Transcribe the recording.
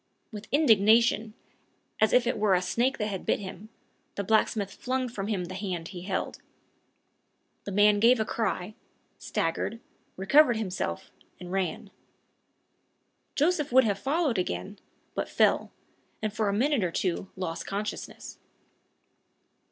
With indignation, as if it were a snake that had bit him, the blacksmith flung from him the hand he held. The man gave a cry, staggered, recovered himself, and ran. Joseph would have followed again, but fell, and for a minute or two lost consciousness.